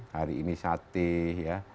hari ini sate ya